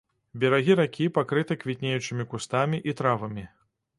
Берагі ракі пакрыты квітнеючымі кустамі і травамі.